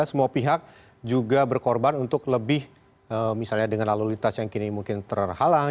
semua pihak juga berkorban untuk lebih misalnya dengan lalu lintas yang kini mungkin terhalang